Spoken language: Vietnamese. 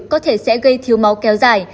có thể sẽ gây thiếu máu kéo dài